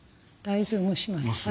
大豆を蒸します。